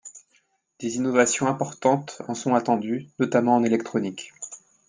Des innovations importantes en sont attendues, notamment en électronique.